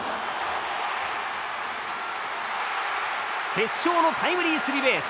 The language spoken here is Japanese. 決勝のタイムリースリーベース。